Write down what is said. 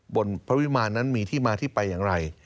พระวิมารนั้นมีที่มาที่ไปอย่างไร